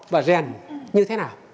và rèn như thế nào